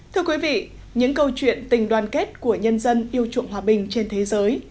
thưa quý vị những câu chuyện tình đoàn kết của nhân dân yêu chuộng hòa bình trên thế giới